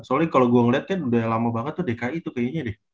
soalnya kalau gue ngeliat kan udah lama banget tuh dki tuh kayaknya deh